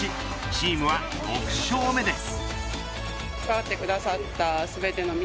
チームは６勝目です。